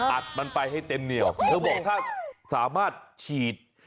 อัดมันไปให้เต็มเหนียวเธอบอกถ้าสามารถฉีด